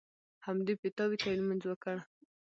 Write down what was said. همدې پیتاوي ته یې لمونځ وکړ.